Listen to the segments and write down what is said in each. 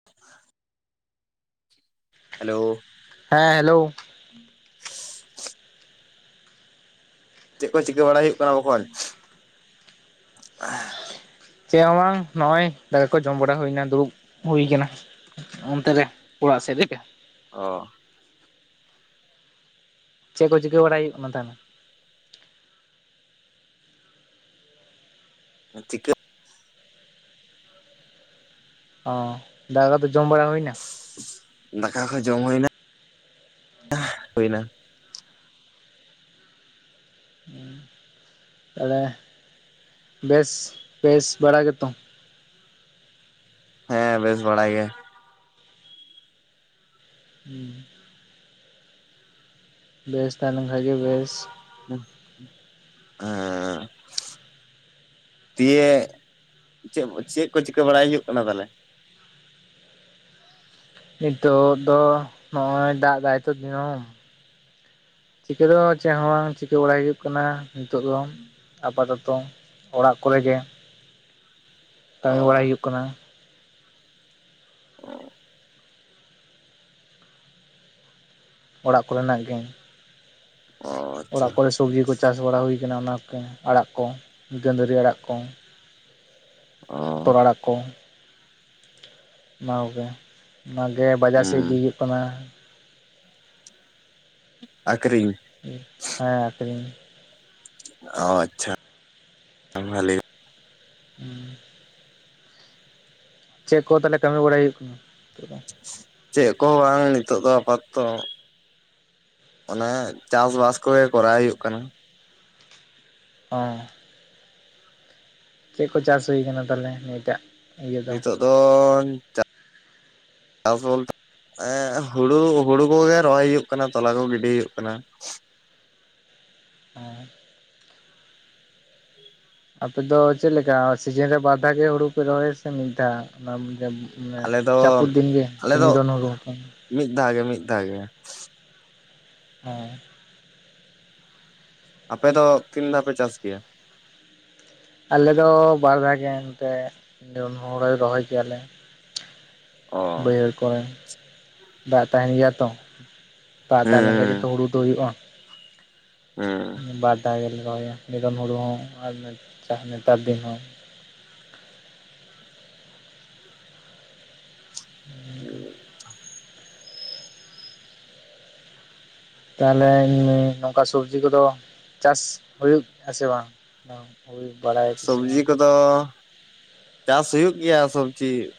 [inaudible] [inaudible] Hello ᱦᱮᱸ hello [unintelligible] ᱪᱮᱫ ᱠᱚ ᱪᱤᱠᱟᱹ ᱵᱟᱲᱟ ᱦᱩᱭᱩᱜ ᱠᱟᱱᱟ ᱵᱚᱠᱚᱧ ᱦ [inaudible] ᱪᱮ ᱦᱚ ᱵᱟᱝ ᱱᱚᱜᱚᱭ ᱫᱟᱠᱟ ᱠᱚ ᱡᱚᱢ ᱵᱟᱲᱟ ᱦᱩᱭ ᱮᱱᱟ ᱫᱩᱲᱩᱵ ᱦᱩᱭ ᱟᱠᱟᱱᱟ ᱚᱱᱛᱮ ᱨᱮ ᱚᱲᱟᱜ ᱥᱮᱫ ᱨᱮᱜᱮ ᱚ ᱪᱮᱫ ᱠᱚ ᱪᱤᱠᱟᱹ ᱵᱟᱲᱟᱭ ᱦᱩᱭᱩᱜ ᱠᱟᱱᱟ ᱛᱟᱦᱞᱮ ᱪᱤᱠᱟ ᱚ ᱫᱟᱠᱟ ᱠᱚ ᱫᱚ ᱡᱚᱢ ᱵᱟᱲᱟ ᱦᱩᱭᱱᱟ ᱫᱟᱠᱟ ᱠᱚ ᱡᱚᱢ ᱦᱩᱭ ᱮᱱᱟ [unintelligible] ᱦᱩᱭ ᱮᱱᱟ ᱛᱟᱦᱚᱞᱮ ᱵᱮᱥ ᱵᱮᱥ ᱵᱟᱲᱟ ᱜᱮᱛᱚ ᱦᱮᱸ ᱵᱮᱥ ᱵᱟᱲᱟ ᱜᱮ ᱦᱩᱸ ᱵᱮᱥ ᱛᱟᱦᱮᱸ ᱞᱮᱱ ᱠᱷᱟᱱ ᱜᱮ ᱵᱮᱥ ᱦᱮᱸ ᱫᱤᱭᱮ ᱪᱮᱫ ᱪᱮᱫ ᱠᱚ ᱪᱤᱠᱟᱹ ᱵᱟᱲᱟᱭ ᱦᱩᱭᱩᱜ ᱠᱟᱱᱟ ᱛᱟᱦᱚᱞᱮ ᱱᱤᱛᱚᱜ ᱫᱚ ᱱᱚᱜᱚᱭ ᱫᱟᱜ ᱮᱫᱟᱭ ᱛᱚ ᱫᱤᱱᱟᱢ ᱪᱤᱠᱟᱹ ᱫᱚ ᱪᱮᱫ ᱦᱚᱸ ᱵᱟᱝ ᱪᱤᱠᱟᱹ ᱵᱟᱲᱟᱭ ᱦᱩᱭᱩᱜ ᱠᱟᱱᱟ ᱱᱤᱛᱚᱜ ᱫᱚ ᱟᱯᱟᱛᱚᱛᱚ ᱚᱲᱟᱜ ᱠᱚᱨᱮ ᱜᱮ ᱚ ᱠᱟᱹᱢᱤ ᱵᱟᱲᱟᱭ ᱦᱩᱭᱩᱜ ᱠᱟᱱᱟ ᱚᱲᱟᱜ ᱠᱚᱨᱮᱱᱟᱜ ᱜᱮ ᱚ ᱟᱪᱪᱷᱟ ᱚᱲᱟᱜ ᱠᱚᱨᱮ ᱥᱚᱵᱽᱡᱤ ᱠᱚ ᱪᱟᱥ ᱵᱟᱲᱟ ᱦᱩᱭ ᱟᱠᱟᱱᱟ ᱚᱱᱟ ᱠᱚ ᱟᱲᱟᱜ ᱠᱚ ᱜᱟᱹᱫᱷᱟᱹᱨᱤ ᱟᱲᱟᱜ ᱠᱚ ᱚ ᱦᱚᱛᱚᱫ ᱟᱲᱟᱜ ᱠᱚ ᱚᱱᱟ ᱠᱚᱜᱮ ᱚᱱᱟᱜᱮ ᱵᱟᱡᱟᱨ ᱥᱮᱫ ᱦᱩᱸ ᱤᱫᱤ ᱦᱩᱭᱩᱜ ᱠᱟᱱᱟ ᱟᱠᱨᱤᱧ ᱦᱮᱸ ᱟᱠᱷᱨᱤᱧ ᱚ ᱟᱪᱪᱷᱟ ᱵᱷᱟᱞᱤ [unintelligible] ᱦᱮᱸ ᱪᱮᱫ ᱠᱚ ᱛᱟᱦᱚᱞᱮ ᱠᱟᱹᱢᱤ ᱵᱟᱲᱟᱭ ᱦᱩᱭᱩᱜ ᱠᱟᱱᱟ ᱱᱤᱛᱚᱜ ᱫᱚ ᱪᱮᱫ ᱠᱚ ᱦᱚᱸ ᱵᱟᱝ ᱱᱤᱛᱚᱜ ᱫᱚ ᱟᱯᱟᱛ ᱛᱚ ᱚᱱᱮ ᱪᱟᱥ ᱵᱟᱥ ᱠᱚᱜᱮ ᱠᱚᱨᱟᱣ ᱦᱩᱭᱩᱜ ᱠᱟᱱᱟ ᱦᱮᱸ ᱪᱮᱫ ᱠᱚ ᱪᱟᱥ ᱦᱩᱭ ᱟᱠᱟᱱᱟ ᱛᱟᱦᱚᱞᱮ ᱱᱤᱭᱟᱹᱴᱟᱜ ᱱᱤᱛᱚᱜ ᱫᱚ [unintelligible] ᱪᱟᱥ ᱵᱚᱞᱛᱮ ᱮᱸ ᱦᱳᱲᱳ ᱦᱳᱲᱳ ᱠᱚᱜᱮ ᱨᱚᱦᱚᱭ ᱦᱩᱭᱩᱜ ᱠᱟᱱᱟ ᱛᱚᱞᱟ ᱠᱚ ᱜᱤᱰᱤ ᱦᱩᱭᱩᱜ ᱠᱟᱱᱟ ᱦᱮᱸ ᱟᱯᱮ ᱫᱚ ᱪᱮᱫᱞᱮᱠᱟ ᱥᱤᱡᱤᱱ ᱨᱮ ᱵᱟᱨ ᱫᱷᱟᱣ ᱜᱮ ᱦᱩᱲᱩ ᱯᱮ ᱨᱚᱦᱚᱭᱟᱥᱮ ᱢᱤᱫ ᱫᱷᱟᱣ ᱢᱟᱱᱮ ᱟᱞᱮ ᱫᱚ ᱡᱟᱯᱩᱫ ᱫᱤᱱ ᱜᱮ ᱟᱞᱮ ᱥᱮ ᱫᱚ ᱱᱤᱨᱚᱱ ᱦᱩᱲᱩ [unintelligible] ᱢᱤᱫ ᱫᱷᱟᱣ ᱜᱮ ᱢᱤᱫ ᱫᱷᱟᱣ ᱜᱮ ᱦᱮᱸ ᱟᱯᱮ ᱫᱚ ᱛᱤᱱ ᱫᱷᱟᱣ ᱯᱮ ᱪᱟᱥ ᱜᱮᱭᱟ ᱟᱞᱮ ᱫᱚ ᱵᱟᱨ ᱫᱷᱟᱣ ᱜᱮ ᱮᱱᱛᱮ ᱦᱳᱲᱳ ᱨᱚᱦᱚᱭ ᱜᱮᱭᱟᱞᱮ ᱚ ᱵᱟᱹᱭᱦᱟᱹᱲ ᱠᱚᱨᱮ ᱫᱟᱜ ᱛᱟᱦᱮᱱ ᱜᱮᱭᱟ ᱛᱚ ᱫᱟᱜ ᱛᱟᱦᱮᱸ ᱞᱮᱱᱠᱷᱟᱱ ᱜᱮ ᱦᱮᱸ ᱛᱚ ᱦᱩᱲᱩ ᱫᱚ ᱦᱩᱭᱩᱜᱼᱟ ᱦᱮᱸ ᱵᱟᱨᱫᱟᱣ ᱫᱷᱟᱣ ᱜᱮᱞᱮ ᱨᱚᱦᱚᱭᱟ ᱱᱤᱨᱚᱱ ᱦᱩᱲᱩ ᱦᱚᱸ ᱟᱨ [unintelligible] ᱱᱮᱛᱟᱨ ᱫᱤᱱ ᱦᱚᱸ [unintelligible] [unintelligible] ᱛᱟᱦᱚᱞᱮ [unintelligible] ᱱᱚᱝᱠᱟ ᱥᱚᱵᱡᱤ ᱠᱚᱫᱚ ᱪᱟᱥ ᱦᱩᱭᱩᱜ ᱜᱮᱭᱟᱥᱮ ᱵᱟᱝ ᱦᱩᱭ ᱵᱟᱲᱟᱭ ᱟᱯᱮ ᱥᱮ ᱵᱟᱝ ᱫᱚ [unintelligible] ᱪᱟᱥ ᱦᱩᱭᱩᱜ ᱜᱮᱭᱟ ᱥᱚᱵᱡᱤ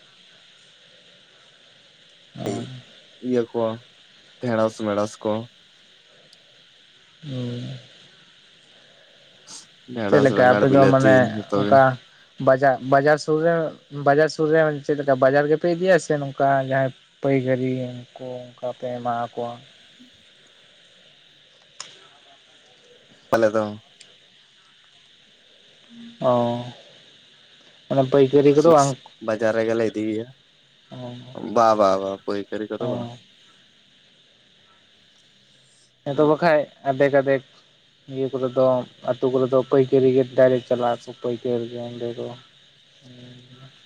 [unintelligible] [unintelligible] ᱤᱭᱟᱹ ᱠᱚ ᱰᱷᱮᱸᱲᱚᱥ ᱢᱮᱲᱚᱥ ᱠᱚ ᱩᱸ ᱪᱮᱫ ᱰᱷᱮᱸᱲᱚᱥ ᱞᱮᱠᱟ ᱵᱮᱸᱜᱟᱲ ᱟᱯᱮ ᱫᱚ ᱵᱤᱞᱟᱹᱛᱤ ᱢᱟᱱᱮ ᱡᱚᱛᱚ ᱜᱮ ᱚᱱᱠᱟ ᱵᱟᱡᱟ ᱵᱟᱡᱟᱨ ᱥᱩᱨ ᱨᱮ ᱵᱟᱡᱟᱨ ᱥᱩᱨ ᱨᱮ ᱪᱮᱫ ᱞᱮᱠᱟ ᱵᱟᱡᱟᱨ ᱜᱮᱯᱮ ᱤᱫᱤᱭᱟ ᱥᱮ ᱱᱚᱝᱠᱟ ᱡᱟᱦᱟᱸᱭ ᱯᱟᱹᱭᱜᱟᱹᱨᱤᱭᱟ ᱩᱱᱠᱩ ᱚᱱᱠᱟ ᱯᱮ ᱮᱢᱟ ᱠᱚᱣᱟ ᱯᱟᱞᱮ ᱫᱚ ᱚᱸ ᱢᱟᱱᱮ ᱯᱟᱹᱭᱼᱼ [inaudible] ᱵᱟᱡᱟᱨ ᱨᱮᱜᱮᱞᱮ ᱤᱫᱤᱭᱮᱭᱟ ᱚ ᱵᱟ ᱵᱟ ᱵᱟ ᱯᱟᱹᱭᱠᱟᱹᱨᱤ ᱠᱚᱫᱚ ᱚ ᱵᱟᱝ ᱦᱮᱸ ᱛᱚ ᱵᱟᱠᱟᱡ ᱟᱫᱷᱮᱠ ᱟᱫᱷᱮᱠ ᱱᱤᱭᱟᱹ ᱠᱚᱨᱮ ᱫᱚ ᱟᱹᱛᱩ ᱠᱚᱨᱮ ᱫᱚ ᱯᱟᱹᱭᱠᱟᱹᱨᱤ ᱜᱮ ᱰᱟᱭᱨᱮᱴ ᱪᱟᱞᱟᱜ ᱟᱠᱚ ᱯᱟᱹᱭᱠᱟᱹᱨ ᱜᱮ ᱚᱸᱰᱮ ᱠᱚ [inaudible]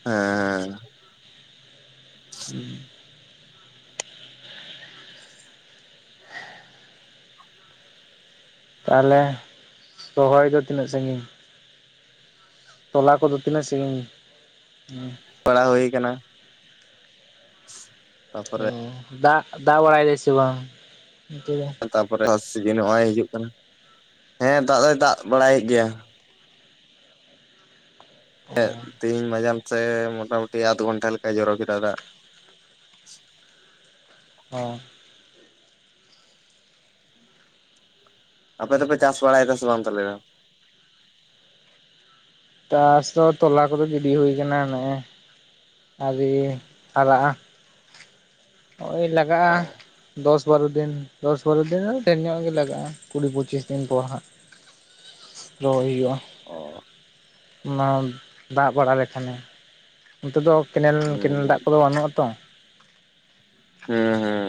ᱦᱮᱻ ᱦᱮᱸᱼᱼ [inaudible] ᱛᱟᱦᱚᱞᱮ ᱨᱚᱦᱚᱭ ᱫᱚ ᱛᱤᱱᱟᱹᱜ ᱥᱟᱺᱜᱤᱧ ᱛᱚᱞᱟ ᱠᱚᱫᱚ ᱛᱤᱱᱟᱹᱜ ᱥᱟᱹᱜᱤᱧ? ᱯᱟᱲᱟ ᱦᱩᱭ ᱠᱟᱱᱟ ᱛᱟᱯᱚᱨᱮ [inaudible] ᱫᱟᱜ ᱫᱟᱜ ᱵᱟᱲᱟᱭᱮᱫ ᱫᱟᱭ ᱥᱮ ᱵᱟᱝ [unintelligible] ᱛᱟᱯᱚᱨᱮ [unintelligible] ᱥᱤᱡᱤᱱ ᱱᱚᱜᱼᱚᱭ ᱦᱤᱡᱩᱜ ᱠᱟᱱᱟ ᱦᱮᱸ ᱫᱟᱜ ᱫᱚᱭ ᱫᱟᱜ ᱵᱟᱲᱟᱭᱮᱫ ᱜᱮᱭᱟ ᱛᱮᱦᱮᱧ ᱢᱟᱡᱟᱱ ᱥᱮᱫ ᱢᱚᱴᱟᱢᱩᱴᱤ ᱟᱫᱽ ᱜᱷᱚᱱᱴᱟ ᱞᱮᱠᱟᱭ ᱡᱚᱨᱚ ᱠᱮᱫᱟ ᱫᱟᱜ ᱦᱚ ᱟᱯᱮ ᱫᱚᱯᱮ ᱪᱟᱥ ᱵᱟᱲᱟᱭᱮᱫᱟ ᱥᱮ ᱵᱟᱝ ᱛᱟᱦᱞᱮ ᱪᱟᱥ ᱫᱚ ᱛᱚᱞᱟ ᱠᱚᱫᱚ ᱜᱤᱰᱤ ᱦᱩᱭ ᱟᱠᱟᱱᱟ ᱱᱮᱜ ᱮ ᱟᱨᱤ ᱦᱟᱨᱟᱜᱼᱟ ᱳᱭ ᱞᱟᱜᱟᱜᱼᱟ ᱫᱚᱥ ᱵᱟᱨᱚ ᱫᱤᱱ ᱫᱚᱥ ᱵᱟᱨᱚ ᱫᱤᱱ ᱫᱚ ᱰᱷᱮᱨ ᱧᱚᱜ ᱜᱮ ᱞᱟᱜᱟᱜᱼᱟ ᱠᱩᱲᱤ ᱯᱚᱪᱤᱥ ᱫᱤᱱ ᱯᱚᱨ ᱦᱟᱸᱜ ᱨᱚᱦᱚᱭ ᱦᱩᱭᱩᱜᱼᱟ ᱚ ᱚᱱᱟ ᱫᱟᱜ ᱵᱟᱲᱟ ᱞᱮᱠᱷᱟᱱᱮ ᱚᱱᱛᱮ ᱫᱚ ᱠᱮᱱᱮᱞ ᱦᱩᱸ ᱠᱮᱱᱮᱞ ᱦᱩᱸ ᱫᱟᱜ ᱠᱚᱫᱚ ᱵᱟᱹᱱᱩᱜᱼᱟ ᱛᱚ ᱦᱮᱸ ᱦᱮᱸ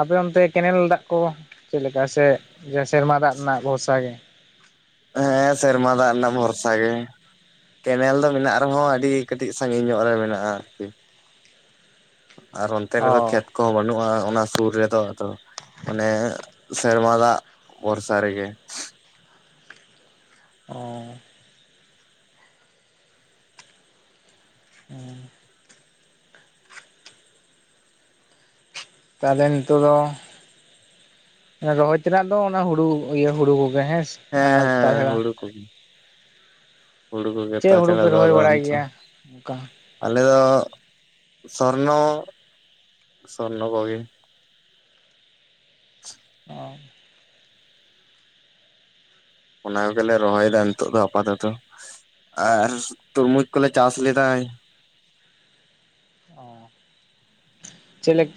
ᱟᱯᱮ ᱚᱱᱛᱮ ᱠᱮᱱᱮᱞ ᱫᱟᱜ ᱠᱚ ᱪᱮᱫ ᱞᱮᱠᱟ ᱥᱮ ᱥᱮᱨᱢᱟ ᱫᱟᱜ ᱨᱮᱱᱟᱜ ᱵᱷᱚᱨᱥᱟ ᱜᱮ ᱦᱮᱸ ᱥᱮᱨᱢᱟ ᱫᱟᱜ ᱨᱮᱱᱟᱜ ᱵᱷᱚᱨᱥᱟ ᱜᱮ ᱠᱮᱱᱮᱞ ᱫᱚ ᱢᱮᱱᱟᱜ ᱨᱮᱦᱚᱸ ᱟᱹᱰᱤ ᱠᱟᱹᱴᱤᱡ ᱥᱟᱺᱜᱤᱧ ᱧᱚᱜ ᱨᱮ ᱢᱮᱱᱟᱜᱼᱟ ᱟᱨᱠᱤ ᱟᱨ ᱚᱱᱛᱮ ᱨᱮᱫᱚ ᱚ ᱠᱷᱮᱛ ᱠᱚᱦᱚᱸ ᱵᱟᱹᱱᱩᱜᱼᱟ ᱚᱱᱟ ᱥᱩᱨ ᱨᱮᱫᱚ ᱟᱫᱚ ᱚᱱᱮ ᱥᱮᱨᱢᱟ ᱫᱟᱜ ᱵᱷᱚᱨᱥᱟ ᱨᱮᱜᱮ ᱚ [unintelligible] ᱛᱟᱦᱚᱞᱮ ᱱᱤᱛᱚᱜ ᱫᱚ ᱨᱚᱦᱚᱭ ᱛᱮᱱᱟᱜ ᱫᱚ ᱚᱱᱟ ᱦᱩᱲᱩ ᱤᱭᱟᱹ ᱦᱩᱲᱩ ᱠᱚᱜᱮ ᱦᱮᱸᱥᱮ ᱦᱮᱸ ᱟᱨ ᱛᱟᱪᱷᱟᱲᱟ [unintelligible] ᱦᱩᱲᱩ ᱠᱚᱜᱮ ᱪᱮᱫ ᱦᱩᱲᱩ ᱛᱟᱪᱷᱟᱲᱟ ᱯᱮ ᱫᱚ ᱨᱚᱦᱚᱭ ᱵᱟᱲᱟᱭ ᱜᱮᱭᱟ ᱚᱱᱠᱟ [inaudible] ᱟᱞᱮ ᱫᱚ ᱥᱚᱨᱱᱚ ᱥᱚᱨᱱᱚ ᱠᱚᱜᱮ ᱚ ᱚᱱᱟ ᱠᱚᱜᱮᱞᱮ ᱨᱚᱦᱚᱭᱮᱫᱟ ᱱᱤᱛᱚᱜ ᱫᱚ ᱟᱯᱟᱛᱚᱛᱚ ᱟᱨ ᱛᱩᱨᱢᱩᱡᱽ ᱠᱚᱞᱮ ᱪᱟᱥ ᱞᱮᱫᱟ ᱚ [unintelligible]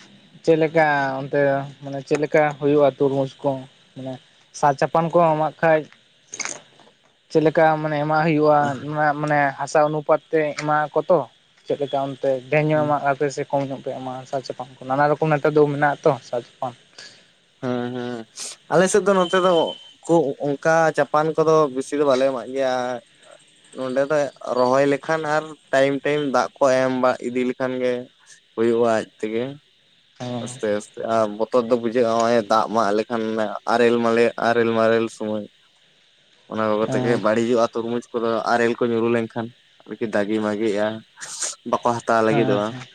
ᱪᱮᱫ ᱞᱮᱠᱟ ᱚᱱᱛᱮ ᱢᱟᱱᱮ ᱪᱮᱫ ᱞᱮᱠᱟ ᱦᱩᱭᱩᱜᱼᱟ ᱛᱩᱨᱢᱩᱡᱽ ᱠᱚ ᱢᱟᱱᱮ ᱥᱟᱨ ᱪᱟᱯᱟᱱ ᱠᱚ ᱮᱢᱟᱜ ᱠᱷᱟᱱᱡ [inaudible] ᱪᱮᱫ ᱞᱮᱠᱟ ᱢᱟᱱᱮ ᱮᱢᱟᱜ ᱦᱩᱭᱩᱜᱼᱟ ᱚᱱᱟ ᱢᱟᱱᱮ ᱦᱟᱥᱟ ᱚᱱᱩᱯᱟᱛ ᱛᱮ ᱮᱢᱟᱜ ᱠᱚ ᱛᱚ ᱪᱮᱜ ᱞᱮᱠᱟ ᱚᱱᱛᱮ ᱰᱷᱮᱨ ᱧᱚᱜ ᱮᱢᱟᱜ ᱟᱯᱮ ᱥᱮ ᱠᱚᱢ ᱧᱚᱜ ᱯᱮ ᱮᱢᱟ ᱥᱟᱨ ᱪᱟᱯᱟᱱ ᱠᱚ ᱱᱟᱱᱟ ᱨᱚᱠᱚᱢ ᱱᱮᱛᱟᱨ ᱫᱚ ᱢᱮᱱᱟᱜ ᱛᱚ ᱥᱟᱨ ᱪᱟᱯᱟᱱ ᱦᱮᱸ ᱦᱮᱸ ᱟᱞᱮ ᱥᱮᱫ ᱫᱚ ᱱᱚᱛᱮ ᱫᱚ ᱠᱚ ᱚᱱᱠᱟ ᱪᱟᱯᱟᱱ ᱠᱚᱫᱚ ᱵᱮᱥᱤ ᱫᱚ ᱵᱟᱞᱮ ᱮᱢᱟᱜ ᱜᱮᱭᱟ ᱱᱚᱸᱰᱮ ᱫᱚ ᱨᱚᱦᱚᱭ ᱞᱮᱠᱷᱟᱱ ᱟᱨ ᱴᱟᱭᱤᱢ ᱴᱟᱭᱤᱢ ᱫᱟᱜ ᱠᱚ ᱮᱢ ᱵᱟ ᱤᱫᱤ ᱞᱮᱠᱷᱟᱱ ᱜᱮ ᱦᱩᱭᱩᱜᱼᱟ ᱟᱡ ᱛᱮᱜᱮ ᱦᱮᱸ ᱟᱥᱛᱮ ᱟᱥᱛᱮ ᱵᱚᱛᱚᱨ ᱫᱚ ᱵᱩᱡᱷᱟᱹᱜᱼᱟ ᱱᱚᱜᱼᱚᱭ ᱫᱟᱜ ᱢᱟᱜ ᱞᱮᱠᱷᱟᱱ ᱟᱨᱮᱞ ᱢᱟᱞᱮ ᱟᱨᱮᱞ ᱢᱟᱨᱮᱞ ᱥᱚᱢᱚᱭ ᱚᱱᱟ ᱠᱚ ᱠᱟᱛᱮ ᱜᱮ ᱦᱮᱸ ᱵᱟᱹᱲᱤᱡᱚᱜᱼᱟ ᱛᱩᱨᱢᱩᱡᱽ ᱩᱱᱠᱩ ᱫᱚ ᱟᱨᱮᱞ ᱠᱚ ᱧᱩᱨᱩ ᱞᱮᱱᱠᱷᱟᱱ ᱟᱨᱠᱤ ᱫᱟᱜᱤ ᱢᱟᱜᱤᱜᱼᱟ ᱵᱟᱠᱚ ᱦᱟᱼ ᱦᱮᱸ ᱦᱮᱸ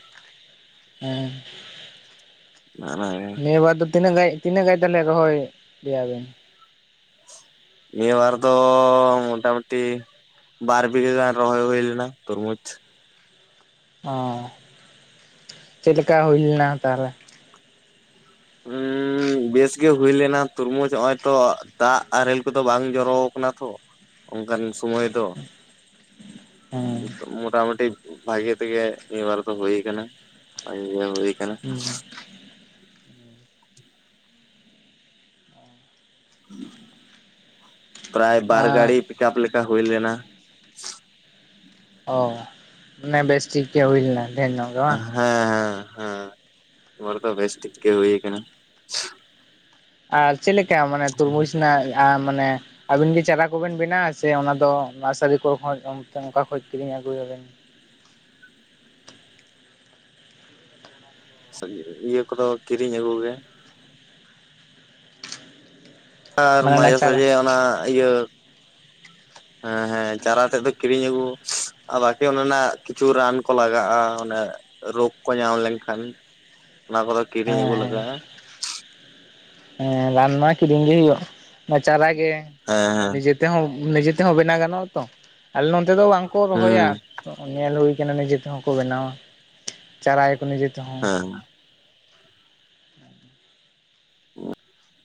ᱦᱮᱸ [unintelligible] ᱱᱤᱭᱟᱹ ᱵᱟᱨ ᱫᱚ ᱛᱤᱱᱟᱜ ᱜᱟᱡ ᱛᱤᱱᱟᱹᱜ ᱜᱟᱡ ᱛᱟᱞᱦᱮ ᱨᱚᱦᱚᱭ ᱞᱮᱭᱟ ᱵᱮᱱ? ᱱᱤᱭᱟᱹ ᱵᱟᱨ ᱫᱚ ᱢᱚᱴᱟ ᱢᱩᱴᱤ ᱵᱟᱨ ᱵᱤᱜᱷᱟᱹ ᱜᱟᱱ ᱨᱚᱦᱚᱭ ᱦᱩᱭ ᱞᱮᱱᱟ ᱛᱩᱨᱢᱩᱡᱽ᱾ ᱚ ᱪᱮᱫ ᱞᱮᱠᱟ ᱦᱩᱭ ᱞᱮᱱᱟ ᱛᱟᱦᱚᱞᱮ? ᱩᱸᱻ ᱵᱮᱥ ᱜᱮ ᱦᱩᱭ ᱞᱮᱱᱟ ᱛᱩᱨᱢᱩᱡᱽ ᱦᱚᱸᱜᱼᱚᱭ ᱛᱚ ᱫᱟᱜ ᱟᱨᱮᱞ ᱠᱚᱫᱚ ᱵᱟᱝ ᱡᱚᱨᱚᱣ ᱠᱟᱱᱟ ᱛᱚ᱾ ᱚᱝᱠᱟᱱ ᱥᱚᱢᱚᱭ ᱫᱚ ᱦᱮᱸ ᱧᱤᱛᱚᱜ ᱢᱚᱴᱟᱢᱩᱴᱤ ᱵᱷᱟᱜᱮ ᱛᱮᱜᱮ ᱱᱤᱭᱟᱵᱟᱨ ᱫᱚ ᱦᱩᱭ ᱟᱠᱟᱱᱟ ᱵᱷᱟᱜᱮ ᱦᱩᱭ ᱟᱠᱟᱱᱟ᱾ ᱦᱩᱸ ᱯᱨᱟᱭ ᱵᱟᱨ ᱜᱟᱹᱲᱤ ᱯᱤᱠᱟᱯ ᱞᱮᱠᱟ ᱦᱩᱭ ᱞᱮᱱᱟ᱾ ᱚ ᱢᱟᱱᱮ ᱵᱮᱥᱴᱷᱤᱠ ᱜᱮ ᱦᱩᱭ ᱞᱮᱱᱟ ᱰᱷᱮᱨ ᱧᱚᱜ ᱜᱮ ᱵᱟᱝ? ᱦᱮᱸ ᱦᱮᱸ ᱦᱮᱸ ᱢᱚᱨ ᱫᱚ ᱵᱮᱥ ᱴᱷᱤᱠ ᱜᱮ ᱦᱩᱭ ᱠᱟᱱᱟ᱾ ᱟᱨ ᱪᱮᱫ ᱞᱮᱠᱟ ᱢᱟᱱᱮ ᱛᱩᱨᱢᱩᱡ ᱨᱮᱱᱟᱜ ᱟᱸ ᱢᱟᱱᱮ ᱟᱵᱤᱱ ᱜᱮ ᱪᱟᱨᱟ ᱠᱚᱵᱮᱱ ᱵᱮᱱᱟᱣᱟ ᱥᱮ ᱚᱱᱟᱫᱚ ᱱᱟᱨᱥᱟᱨᱤ ᱠᱚ ᱠᱷᱚᱱ ᱛᱮ ᱚᱝᱠᱟ ᱠᱷᱚᱱ ᱠᱤᱨᱤᱧ ᱟᱹᱜᱩᱭᱟᱵᱤᱱ? ᱥᱟᱹᱜ ᱤᱭᱟᱹ ᱠᱚᱫᱚ ᱠᱤᱨᱤᱧ ᱟᱹᱜᱩᱜᱮ᱾ ᱟᱨ ᱢᱟᱱᱮ ᱚᱱᱟ ᱢᱟᱡᱷᱮ ᱪᱟᱨᱟ ᱥᱟᱡᱷᱮ ᱚᱱᱟ ᱤᱭᱟᱹ ᱦᱮᱸ ᱦᱮᱸ ᱪᱟᱨᱟ ᱛᱮᱜ ᱫᱚ ᱠᱤᱨᱤᱧ ᱟᱹᱜᱩ ᱟᱨ ᱵᱟᱠᱤ ᱚᱱᱟ ᱚᱱᱟᱜ ᱠᱤᱪᱷᱩ ᱨᱟᱱ ᱠᱚ ᱞᱟᱜᱟᱜ-ᱟ, ᱚᱱᱮ ᱨᱳᱜᱽ ᱠᱚ ᱧᱟᱢ ᱞᱮᱱᱠᱷᱟᱱ ᱚᱱᱟ ᱠᱚᱫᱚ ᱦᱮᱸ ᱠᱤᱨᱤᱧ ᱟᱹᱜᱩ ᱦᱮᱸ ᱞᱟᱜᱟᱜᱼᱟ᱾ ᱦᱮᱸ ᱨᱟᱱ ᱢᱟ ᱠᱤᱨᱤᱧ ᱜᱮ ᱦᱩᱭᱩᱜ ᱚᱱᱟ ᱪᱟᱨᱟ ᱜᱮ ᱦᱮᱸ ᱦᱮᱸ ᱱᱤᱡᱮ ᱛᱮᱦᱚᱸ ᱱᱤᱡᱮ ᱛᱮᱦᱚᱸ ᱵᱮᱱᱟᱣ ᱜᱟᱱᱚᱜᱼᱟ ᱛᱚ? ᱟᱞᱮ ᱱᱚᱱᱛᱮ ᱫᱚ ᱵᱟᱝ ᱠᱚ ᱨᱚᱦᱚᱭᱟ ᱦᱩᱸ ᱧᱮᱞ ᱦᱩᱭ ᱟᱠᱟᱱᱟ ᱱᱤᱡᱮ ᱛᱮᱦᱚᱸ ᱠᱚ ᱵᱮᱱᱟᱣᱟ ᱪᱟᱨᱟᱭᱟᱠᱚ ᱱᱤᱡᱮᱛᱮ᱾ ᱦᱮᱸ [inaudible] [inaudible]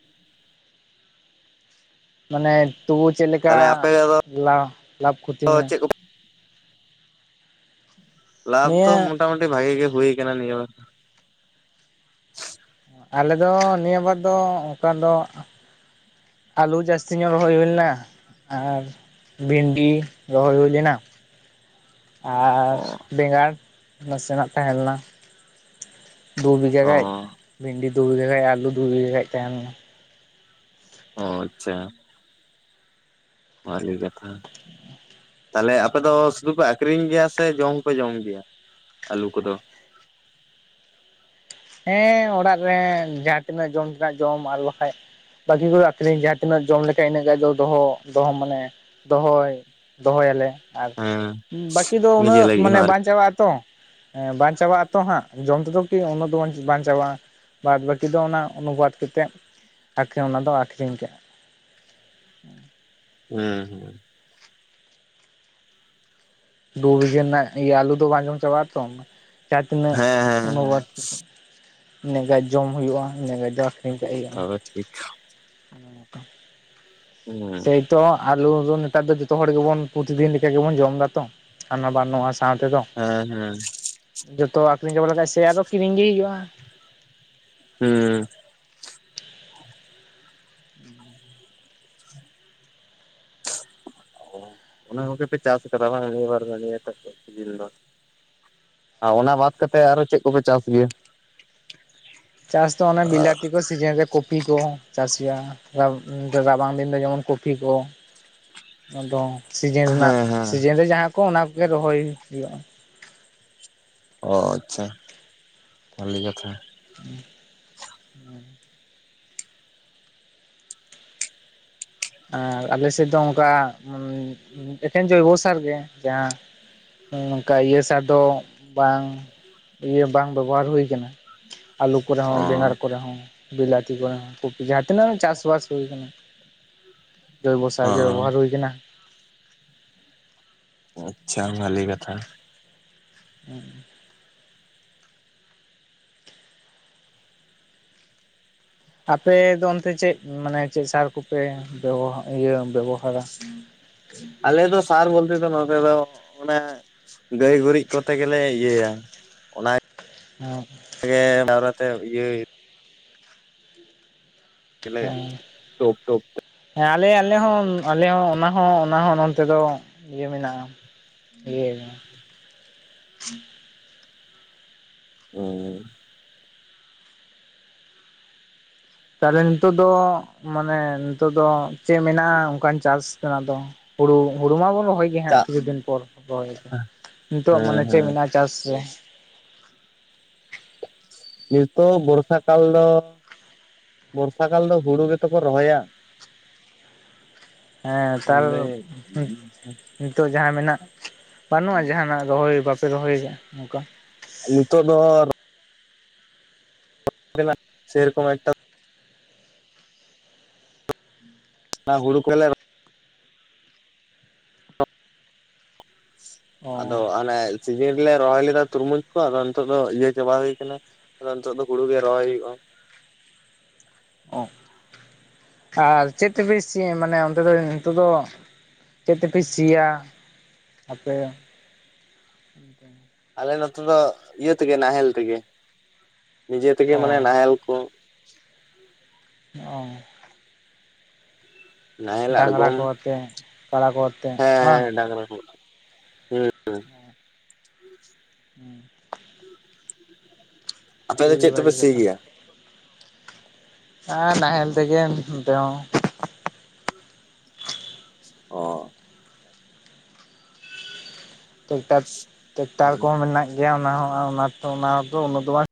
ᱢᱟᱱᱮ ᱛᱚᱵᱩ ᱪᱮᱫ ᱞᱮᱠᱟ ᱛᱟᱦᱞᱮ ᱟᱯᱮ ᱫᱚ ᱞᱟ ᱞᱟᱵᱷ ᱠᱷᱚᱛᱤᱧ ᱪᱮᱫ ᱠᱚ ᱞᱟᱵᱷ ᱫᱚ ᱱᱤᱭᱟᱹ ᱢᱳᱚᱴᱟᱢᱩᱴᱤ ᱵᱷᱟᱜᱮ ᱜᱮ ᱦᱩᱭ ᱠᱟᱱᱟ ᱱᱤᱭᱟᱹ ᱵᱟᱨ᱾ ᱟᱞᱮ ᱫᱚ ᱱᱤᱭᱟᱹ ᱵᱟᱨ ᱫᱚ ᱚᱝᱠᱟ ᱫᱚ ᱟᱹᱞᱩ ᱡᱟᱹᱥᱛᱤ ᱧᱚᱜ ᱨᱚᱦᱚᱭ ᱦᱩᱭ ᱞᱮᱱᱟ ᱟᱨ ᱵᱷᱤᱱᱰᱤ ᱨᱚᱦᱚᱭ ᱦᱩᱭ ᱞᱮᱱᱟ᱾ ᱟᱨ ᱵᱮᱸᱜᱟᱲ ᱱᱟᱥᱮᱱᱟᱜ ᱛᱟᱦᱮᱸᱞᱮᱱᱟ᱾ ᱫᱩ ᱵᱤᱜᱷᱟ ᱚ ᱜᱟᱡ ᱵᱷᱤᱱᱰᱤ ᱫᱩ ᱵᱤᱜᱷᱟ ᱜᱟᱡ ᱟᱹᱞᱩ ᱫᱩ ᱵᱤᱜᱷᱟ ᱜᱟᱡ ᱛᱟᱦᱮᱸ ᱞᱮᱱᱟ᱾ ᱚ ᱟᱪᱪᱷᱟ ᱵᱷᱟᱞᱤ ᱠᱟᱛᱷᱟ ᱛᱟᱞᱮ ᱟᱯᱮ ᱫᱚ ᱥᱩᱫᱩ ᱯᱮ ᱟᱠᱷᱨᱤᱧ ᱜᱮᱭᱟ ᱥᱮ ᱡᱚᱢ ᱦᱚᱸᱯᱮ ᱡᱚᱢ ᱜᱮᱭᱟ ᱟᱹᱞᱩ ᱠᱚᱫᱚ? ᱦᱮᱸ ᱚᱲᱟᱜ ᱨᱮ ᱡᱟᱦᱟᱸ ᱛᱤᱱᱟᱹᱜ ᱡᱚᱢ ᱛᱮᱱᱟᱜ ᱡᱚᱢ ᱟᱨ ᱵᱟᱠᱷᱟᱡ ᱵᱟᱠᱤ ᱠᱚ ᱫᱚ ᱟᱠᱷᱨᱤᱧ ᱡᱟᱦᱟᱸ ᱛᱤᱱᱟᱹᱜ ᱡᱚᱢ ᱞᱮᱠᱷᱟᱡ ᱤᱱᱟᱹᱜ ᱜᱟᱱ ᱫᱚ ᱫᱚᱦᱚ ᱫᱚᱦᱚ ᱢᱟᱱᱮ ᱫᱚᱦᱚᱭ᱾ ᱫᱚᱦᱚᱭᱟᱞᱮ ᱟᱨ ᱦᱮᱸ ᱵᱟᱹᱠᱤ ᱫᱚ ᱱᱤᱡᱮ ᱩᱱᱟᱹᱜ ᱞᱟᱹᱜᱤᱫ ᱦᱚᱸ ᱢᱟᱱᱮ ᱵᱟᱝ ᱟᱨᱠᱤ ᱪᱟᱵᱟᱜᱼᱟ ᱛᱚ᱾ ᱵᱟᱝ ᱪᱟᱵᱟᱜᱼᱟ ᱛᱚ ᱦᱟᱸᱜ ᱡᱚᱢ ᱛᱮᱫᱚ ᱠᱤ ᱩᱱᱟᱹᱜ ᱫᱚ ᱵᱟᱝ ᱪᱟᱵᱟᱜᱼᱟ ᱵᱟᱫ ᱵᱟᱹᱠᱤ ᱫᱚ ᱚᱱᱟ ᱚᱱᱩᱵᱟᱫᱽ ᱠᱟᱛᱮᱫ ᱚᱱᱟ ᱫᱚ ᱟᱠᱷᱨᱤᱧ ᱠᱟᱜᱼᱟ᱾ ᱦᱮᱸ ᱫᱩ ᱵᱤᱜᱷᱟᱹ ᱨᱮᱱᱟᱜ ᱟᱞᱩ ᱫᱚ ᱵᱟᱝ ᱡᱚᱢ ᱪᱟᱵᱟᱜᱼᱟ ᱛᱚ᱾ ᱡᱟ ᱛᱤᱱᱟᱹᱜ ᱦᱮᱸ ᱦᱮᱸ ᱦᱮᱸ ᱚᱱᱩᱵᱟᱫ ᱤᱱᱟᱹᱜ ᱜᱟᱡ ᱡᱚᱢ ᱦᱩᱭᱩᱜᱼᱟ ᱤᱱᱟᱹᱜ ᱜᱟᱡ ᱫᱚ ᱟᱠᱷᱨᱤᱧ ᱠᱟᱜ ᱦᱩᱭᱩᱜᱼᱟ᱾ [unintelligible] [inaudible] ᱦᱮᱸ ᱛᱚ ᱟᱞᱩ ᱫᱚ ᱱᱮᱛᱟᱨ ᱫᱚ ᱡᱚᱛᱚ ᱦᱚᱲ ᱜᱮᱵᱚᱱ ᱯᱚᱛᱤᱫᱤᱱ ᱞᱮᱠᱟ ᱜᱮᱵᱚᱱ ᱡᱚᱢᱫᱟ ᱛᱚ ᱦᱟᱱᱟ ᱵᱟᱝ ᱱᱚᱣᱟ ᱥᱟᱶ ᱛᱮᱫᱚ᱾ ᱦᱮᱸ ᱦᱮᱸ ᱡᱚᱛᱚ ᱟᱠᱷᱨᱤᱧ ᱪᱟᱵᱟ ᱞᱮᱠᱷᱟᱱ ᱥᱮ ᱟᱨᱚ ᱠᱤᱨᱤᱧ ᱜᱮ ᱦᱩᱭᱩᱜ-ᱟ᱾ ᱦᱩᱸ [inaudible] ᱚᱱᱟ ᱠᱚᱜᱮᱯᱮ ᱪᱟᱥ ᱠᱟᱫᱟ ᱵᱟᱝ ᱱᱤᱭᱟᱹ ᱵᱟᱨ ᱫᱚ ᱱᱤᱭᱟᱹ ᱴᱟᱜ ᱥᱤᱡᱤᱱ ᱫᱚ ᱟᱨ ᱚᱱᱟ ᱵᱟᱫ ᱠᱟᱛᱮᱫ ᱟᱨᱚ ᱪᱮᱫ ᱠᱚᱯᱮ ᱪᱟᱥ ᱜᱮᱭᱟ? ᱪᱟᱥ ᱛᱚ ᱚᱱᱮ ᱵᱤᱞᱟᱹᱛᱤ ᱠᱚ, ᱥᱤᱡᱤᱱ ᱨᱮ ᱠᱚᱯᱤ ᱠᱚ ᱪᱟᱥ ᱦᱩᱭᱩᱜ-ᱟ, ᱨᱟᱵᱟᱝ ᱫᱤᱱ ᱫᱚ ᱡᱮᱢᱚᱱ ᱠᱚᱯᱤ ᱠᱚ ᱟᱫᱚ ᱥᱤᱡᱤᱱ ᱨᱮᱱᱟᱜ ᱦᱮᱸ ᱦᱮᱸ ᱥᱤᱡᱤᱱ ᱨᱮ ᱡᱟᱦᱟᱸ ᱠᱚ ᱚᱱᱟ ᱠᱚᱜᱮ ᱨᱚᱦᱚᱭ ᱦᱩᱭᱩᱜ-ᱟ᱾ ᱚ ᱟᱪᱪᱷᱟ᱾ ᱵᱷᱟᱞᱤ ᱠᱟᱛᱷᱟ᱾ [inaudible] ᱟᱨ ᱟᱞᱮᱥᱮᱫ ᱫᱚ ᱚᱱᱠᱟ ᱮᱠᱮᱱ ᱡᱚᱭᱵᱚ ᱥᱟᱨ ᱜᱮ ᱡᱟᱦᱟᱸ ᱱᱚᱝᱠᱟ ᱤᱭᱟᱹ ᱥᱟᱨ ᱫᱚ ᱵᱟᱝ ᱤᱭᱟᱹ ᱵᱟᱝ ᱵᱮᱵᱚᱦᱟᱨ ᱦᱩᱭ ᱟᱠᱟᱱᱟ ᱟᱞᱩ ᱠᱚᱨᱮ ᱦᱚᱸ ᱚ ᱵᱮᱸᱜᱟᱲ ᱠᱚᱨᱮ ᱦᱚᱸ ᱵᱤᱞᱟᱛᱤ ᱠᱚᱨᱮ ᱦᱚᱸ ᱠᱚᱯᱤ ᱡᱟᱦᱟᱸ ᱛᱤᱱᱟᱹᱜ ᱜᱮ ᱪᱟᱥᱵᱟᱥ ᱦᱩᱭ ᱠᱟᱱᱟ, ᱡᱳᱭᱵᱚ ᱥᱟᱨ ᱜᱮ ᱦᱚᱸ ᱵᱮᱵᱚᱦᱟᱨ ᱦᱩᱭ ᱠᱟᱱᱟ᱾ ᱟᱪᱪᱷᱟ ᱵᱷᱟᱞᱮ ᱠᱟᱛᱷᱟ᱾ ᱦᱩᱸ᱾ ᱟᱯᱮᱚ ᱫᱚ ᱚᱱᱛᱮ ᱪᱮᱫ ᱢᱟᱱᱮ ᱪᱮᱫ ᱥᱟᱨ ᱠᱚᱯᱮ ᱤᱭᱟᱹ ᱵᱮᱵᱚᱦᱟᱨᱟ? ᱟᱞᱮ ᱫᱚ ᱥᱟᱨ ᱵᱚᱞᱛᱮ ᱛᱚ ᱱᱚᱛᱮ ᱫᱚ, ᱚᱱᱮ ᱜᱟᱹᱭ ᱜᱩᱨᱤᱡ ᱠᱚᱛᱮ ᱜᱮᱞᱮ ᱤᱭᱟᱹᱭᱟ, ᱚᱱᱟ [inaudible] [unintelligible] ᱤᱭᱟᱹ ᱪᱮᱞᱮᱭᱟ ᱦᱮᱸ ᱴᱳᱯ ᱴᱳᱯ᱾ ᱦᱮᱸ ᱟᱞᱮ ᱟᱞᱮ ᱦᱚᱸ ᱟᱞᱮ ᱦᱚᱸ ᱚᱱᱟ ᱦᱚᱸ ᱚᱱᱟ ᱦᱚᱸ ᱱᱚᱱᱛᱮ ᱫᱚ ᱤᱭᱟᱹ ᱢᱮᱱᱟᱜᱼᱟ᱾ ᱤᱭᱟᱹ [unintelligible] ᱛᱟᱦᱚᱞᱮ ᱱᱤᱛᱚᱜ ᱫᱚ ᱢᱟᱱᱮ ᱱᱤᱛᱚᱜ ᱫᱚ ᱪᱮᱫ ᱢᱮᱱᱟᱜ-ᱟ ᱚᱱᱠᱟᱱ ᱪᱟᱥ ᱛᱮᱱᱟᱜ ᱫᱚ? ᱦᱩᱲᱩ ᱦᱩᱲᱩ ᱢᱟᱵᱚᱱ ᱨᱚᱦᱚᱭ ᱜᱮ ᱦᱟᱸᱜ ᱪᱟᱜ ᱠᱤᱪᱷᱩ ᱫᱤᱱ ᱯᱚᱨ ᱨᱚᱦᱚᱭ ᱫᱚ ᱱᱤᱛᱚᱜ ᱦᱮᱸ ᱢᱟᱱᱮ ᱪᱮᱫ ᱦᱮᱸ ᱢᱮᱱᱟᱜ-ᱟ ᱪᱟᱥ ᱨᱮ ᱱᱤᱛᱚᱜ ᱵᱚᱨᱥᱟ ᱠᱟᱞ ᱫᱚ, ᱵᱚᱨᱥᱟ ᱠᱟᱞ ᱫᱚ ᱦᱩᱲᱩ ᱜᱮᱛᱚ ᱠᱚ ᱨᱚᱦᱚᱭᱟ᱾ ᱦᱮᱸ ᱛᱟᱞ [inaudible] ᱱᱤᱛᱚᱜ ᱡᱟᱦᱟᱸ ᱢᱮᱱᱟᱜ, ᱵᱟᱹᱱᱩᱜᱼᱟ ᱡᱟᱦᱟᱱᱟᱜ ᱨᱚᱦᱚᱭ ᱵᱟᱯᱮ ᱨᱚᱦᱚᱭ ᱠᱟᱜᱼᱟ ᱱᱚᱝᱠᱟ? ᱱᱤᱛᱚᱜ ᱫᱚ ᱛᱮᱱᱟᱜ ᱥᱮ ᱨᱚᱠᱚᱢ ᱮᱠᱴᱟ ᱚᱱᱟ ᱦᱩᱲᱩ ᱠᱚᱞᱮ ᱨᱚ ᱟᱫᱚ ᱚ ᱦᱟᱱᱮ ᱥᱤᱡᱤᱱ ᱨᱮᱞᱮ ᱨᱚᱦᱚᱭ ᱞᱮᱫᱟ ᱛᱩᱨᱢᱩᱡᱽ ᱠᱚ, ᱟᱫᱚ ᱱᱤᱛᱳᱜ ᱫᱚ ᱤᱭᱟᱹ ᱪᱟᱵᱟ ᱦᱩᱭ ᱠᱟᱱᱟ᱾ ᱟᱫᱚ ᱱᱤᱛᱚᱜ ᱫᱚ ᱦᱩᱲᱩ ᱜᱮ ᱨᱚᱭ ᱦᱩᱭᱩᱜᱼᱟ᱾‌ ᱟᱨ ᱪᱮᱫ ᱛᱮᱯᱮ ᱥᱤ ᱢᱟᱱᱮ ᱚᱱᱛᱮ ᱫᱚ ᱱᱤᱛᱚᱜ ᱫᱚ ᱪᱮᱫ ᱛᱮᱯᱮ ᱥᱤᱭᱟ ᱟᱯᱮ? ᱮᱱᱛᱮ ᱟᱞᱮ ᱱᱚᱛᱮ ᱫᱚ, ᱤᱭᱟᱹ ᱛᱮᱜᱮ ᱱᱟᱦᱮᱞ ᱛᱮᱜᱮ ᱱᱤᱡᱮ ᱛᱮᱜᱮ ᱚ ᱢᱟᱱᱮ ᱱᱟᱦᱮᱞ ᱠᱚ ᱚ ᱱᱟᱦᱮᱞ ᱰᱟᱝᱨᱟ ᱟᱲᱜᱚᱢ ᱠᱚ ᱟᱛᱮ ᱠᱟᱲᱟ ᱠᱚ ᱟᱛᱮ ᱵᱟᱝ ᱦᱮᱸᱻᱦᱮᱸ ᱰᱟᱝᱨᱟ ᱠᱚ᱾ ᱦᱩᱸ [unintelligible] ᱟᱯᱮ ᱫᱚ ᱟᱹᱰᱤ ᱪᱮᱫ ᱛᱮᱯᱮ ᱵᱷᱟᱹᱜᱤ ᱥᱤ ᱠᱟᱛᱷᱟ ᱜᱮᱭᱟ? ᱱᱟᱦᱮᱞ ᱛᱮᱜᱮ ᱱᱤᱛ ᱫᱚ᱾ ᱚ ᱴᱮᱠᱴᱟᱨ ᱟᱞᱮ ᱠᱚᱦᱚᱸ ᱢᱮᱱᱟᱜ ᱜᱮᱭᱟ ᱚᱱᱟ ᱦᱚᱸ ᱚᱱᱟ ᱫᱚ ᱩᱱᱟᱹᱜ ᱫᱚ ᱵᱟᱝ